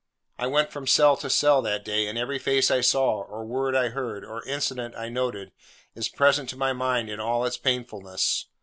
I went from cell to cell that day; and every face I saw, or word I heard, or incident I noted, is present to my mind in all its painfulness.